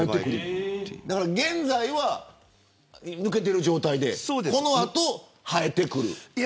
現在は抜けている状態でこの後、生えてくる。